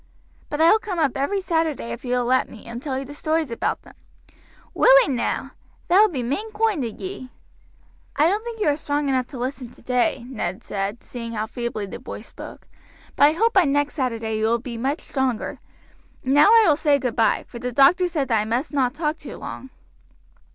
"But I will come up every Saturday if you will let me, and tell you the stories all about them." "Willee now? That will be main koinde o' ye." "I don't think you are strong enough to listen today," Ned said, seeing how feebly the boy spoke; "but I hope by next Saturday you will be much stronger. And now I will say goodby, for the doctor said that I must not talk too long."